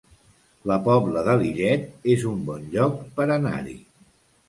La Pobla de Lillet es un bon lloc per anar-hi